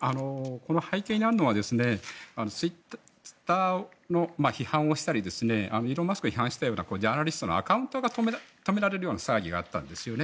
この背景にあるのはツイッターの批判をしたりイーロン・マスクの批判をしていたようなジャーナリストのアカウントが止められるような騒ぎがあったんですよね。